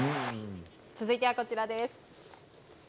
続いては、こちらです。